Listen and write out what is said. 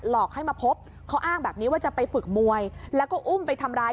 อกให้มาพบเขาอ้างแบบนี้ว่าจะไปฝึกมวยแล้วก็อุ้มไปทำร้าย